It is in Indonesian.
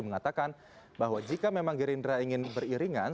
mengatakan bahwa jika memang gerindra ingin beriringan